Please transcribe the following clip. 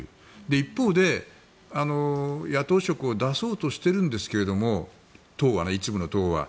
一方で、野党色を出そうとしているんですけども一部の党は。